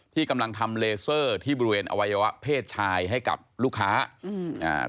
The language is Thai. ที่กำลังทำเลเซอร์ที่บริเวณอวัยวะเพศชายให้กับลูกค้าอืมอ่า